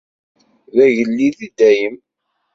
D agellid i dayem.